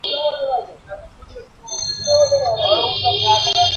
পুলিশের তাড়া খেয়ে গাড়ি নিয়ে পালানোর চেষ্টা করে পরে আত্মহত্যা করেন তিনি।